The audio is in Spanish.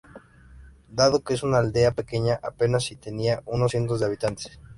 Dado que es una aldea pequeña, apenas si tenía unos cientos de habitantes.